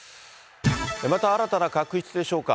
また新たな確執でしょうか。